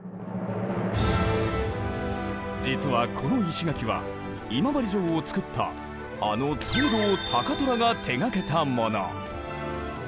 実はこの石垣は今治城を造ったあの藤堂高虎が手がけたもの。